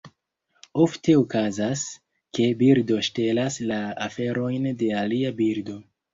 Ofte okazas, ke birdo ŝtelas la aferojn de alia birdo.